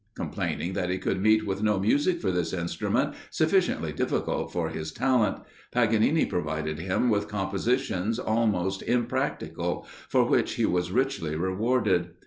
Complaining that he could meet with no music for his instrument, sufficiently difficult for his talent, Paganini provided him with compositions almost impracticable, for which he was richly rewarded.